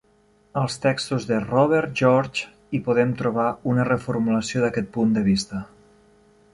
Als textos de Robert George hi podem trobar una reformulació d'aquest punt de vista.